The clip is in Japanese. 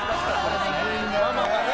ママがね。